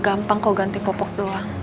gampang kau ganti pupuk doang